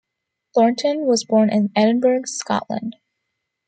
Thornton was born in Edinburgh, Scotland.